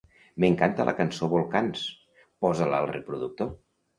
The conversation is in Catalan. M'encanta la cançó "Volcans"; posa-la al reproductor.